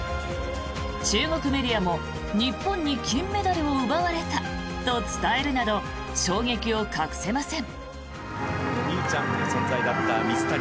中国メディアも日本に金メダルを奪われたと伝えるなど衝撃を隠せません。